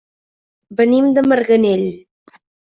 Venim de Marganell.